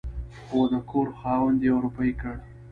خو د کور خاوند يوه روپۍ کړ